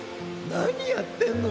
なにやってんの？